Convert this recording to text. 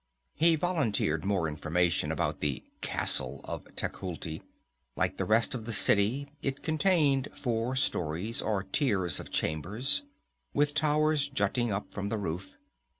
He volunteered more information about the "castle" of Tecuhltli. Like the rest of the city it contained four stories, or tiers of chambers, with towers jutting up from the roof.